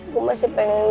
gue masih pengen